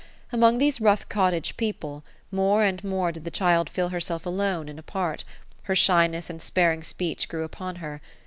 Among these rough cottage people, more and more did the child feel herself alone and apart Her shyness and sparing speech grew 2ipon her.